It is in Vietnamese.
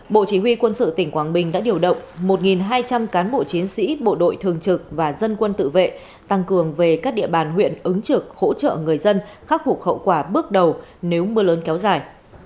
bộ chỉ huy quân sự tỉnh quảng bình đã điều động một hai trăm linh cán bộ chiến sĩ bộ đội thường trực và dân quân tự vệ tăng cường về các địa bàn huyện ứng trực hỗ trợ người dân khắc phục hậu quả bước đầu nếu mưa lớn kéo dài